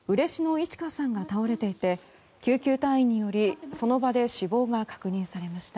いち花さんが倒れていて救急隊員によりその場で死亡が確認されました。